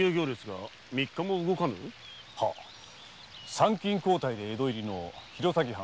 参勤交代で江戸入りの弘前藩